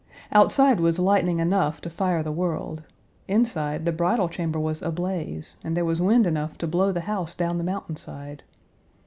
Outside was lightning enough to fire the world; inside, the bridal chamber was ablaze, and there was wind enough to blow the house down the mountainside.